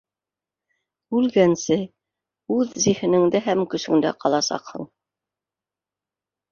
Үлгәнсе үҙ зиһенеңдә һәм көсөңдә ҡаласаҡһың.